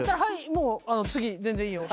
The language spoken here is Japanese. もう次全然いいよ。